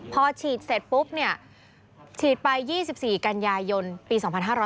พอฉีดเสร็จปุ๊บฉีดไป๒๔กันยายนปี๒๕๕๙